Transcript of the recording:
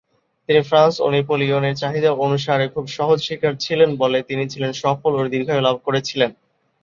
তিনি ফ্রান্স ও নেপোলিয়নের চাহিদা অনুসারে খুব সহজ শিকার ছিলেন বলে, তিনি ছিলেন সফল ও দীর্ঘায়ু লাভ করেছিলেন।